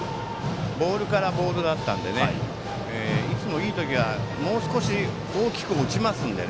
ボールからボールだったのでいつも、いい時はもう少し大きく落ちますので。